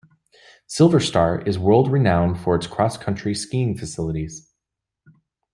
SilverStar is world-renowned for its Cross-Country Skiing facilities.